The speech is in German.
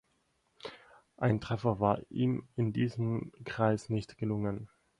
Ein Treffer war ihm in diesem Kreis nicht gelungen.